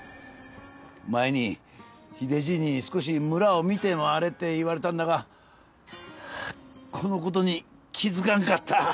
前に秀じいに少し村を見て回れって言われたんだがこのことに気付かんかった。